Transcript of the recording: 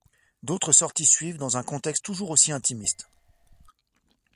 D'autres sorties suivent dans un contexte toujours aussi intimiste.